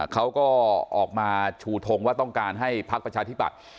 เขาก็ออกมาชูทงว่าต้องการให้พักประชาธิบัติ